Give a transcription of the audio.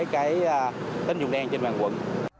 cái tín dụng đen trên bàn quận